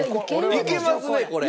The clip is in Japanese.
いけますねこれ。